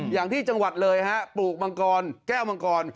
อย่างที่จังหวัดเลยฮะปลูกมังกรแก้วมังกร